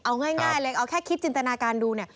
เอาง่ายเล็กเอาแค่คิดจินตนาการดู